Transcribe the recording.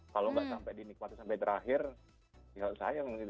kalau tidak sampai dinikmatkan terakhir gitu sayang